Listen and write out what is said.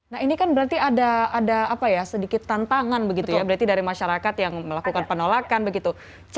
nah ini kan berarti ada sedikit tantangan begitu ya berarti dari masyarakat yang melakukan penolakan begitu